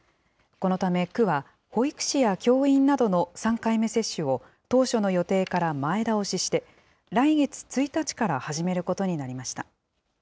このため区は、保育士や教員などの３回目接種を、当初の予定から前倒しして、来月１日から始めることになりました。